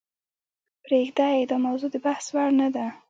پریږده یې داموضوع دبحث وړ نه ده .